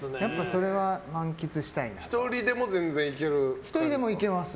１人でも全然行ける？